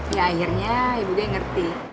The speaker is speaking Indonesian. ya akhirnya ibunya ngerti